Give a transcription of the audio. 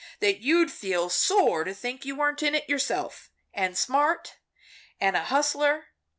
that you'd feel sore to think you weren't in yourself. And smart? And a hustler?